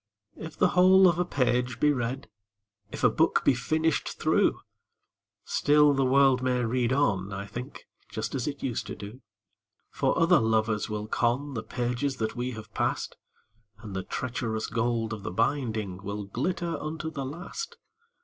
II. If the whole of a page be read, If a book be finished through, Still the world may read on, I think, Just as it used to do; For other lovers will con The pages that we have passed, And the treacherous gold of the binding Will glitter unto the last.